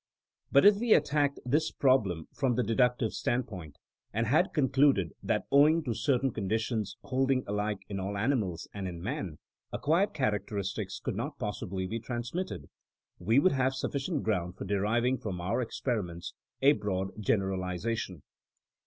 But if we had attacked this 62 THINKINO AS A SCIENCE problem from the deductive standpoint, and had concluded that owing to certain conditions hold ing alike in aU animals and in man, acquired characteristics cotUd not possibly be trans mitted, we would have sufficient ground for de riving from our experiments a broad generaliza tion.